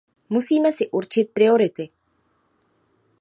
Musíme si určit priority.